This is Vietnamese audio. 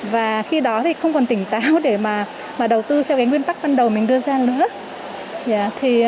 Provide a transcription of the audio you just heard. và khi đó thì không còn tỉnh táo để mà đầu tư theo nguyên tắc ban đầu mình đưa ra nữa